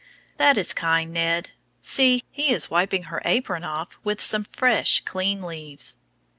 That is kind, Ned. See, he is wiping her apron off with some fresh, clean leaves.